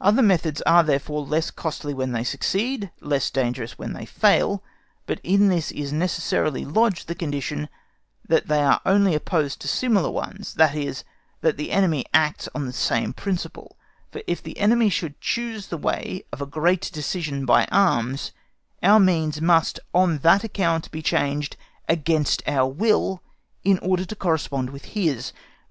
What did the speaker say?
Other methods are, therefore, less costly when they succeed, less dangerous when they fail; but in this is necessarily lodged the condition that they are only opposed to similar ones, that is, that the enemy acts on the same principle; for if the enemy should choose the way of a great decision by arms, our means must on that account be changed against our will, in order to correspond with his.